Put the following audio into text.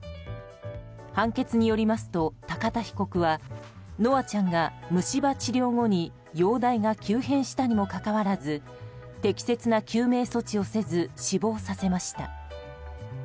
判決によりますと高田被告は叶愛ちゃんが虫歯治療後に容体が急変したにもかかわらず適切な救命措置をせず死亡させました。